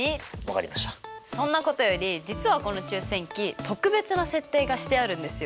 そんなことより実はこの抽選器特別な設定がしてあるんですよ。